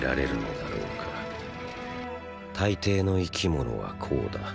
大抵の生き物はこうだ。